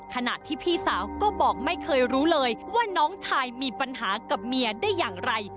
ขณะที่พี่สาวก็บอกไม่เคยรู้เลยว่าน้องชายมีปัญหากับเมียได้อย่างไร